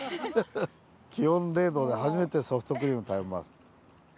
気温０℃で初めてソフトクリーム食べます。